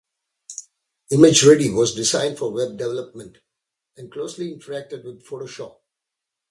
ImageReady was designed for web development and closely interacted with Photoshop.